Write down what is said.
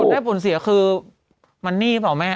ผลได้ผลเสียคือมันโน้นบ่เอะแม่